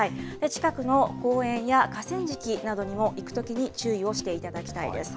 近くの公園や河川敷などにも行くときに注意をしていただきたいです。